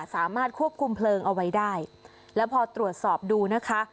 สามารถควบคุมเพลิงเอาไว้ได้แล้วพอตรวจสอบดูนะคะ